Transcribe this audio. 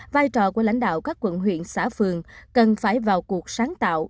vai trò của lãnh đạo các quận huyện xã phường cần phải vào cuộc sáng tạo